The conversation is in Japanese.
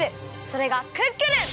それがクックルン！